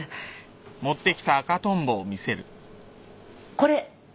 これ。